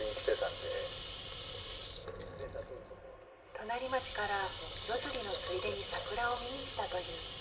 隣町から夜釣りのついでに桜を見に来たという。